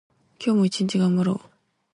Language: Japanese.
今日も一日頑張ろう。